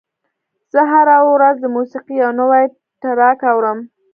زه هره ورځ د موسیقۍ یو نوی ټراک اورم.